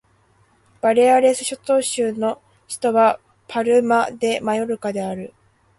バレアレス諸島州の州都はパルマ・デ・マヨルカである